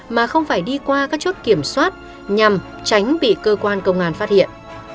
mà không phải đi qua các chốt kiểm soát nhằm tránh bị cơ quan công an phát hiện